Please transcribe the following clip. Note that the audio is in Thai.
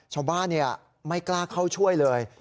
ชาวบ้านไม่กล้าเข้าช่วยเลย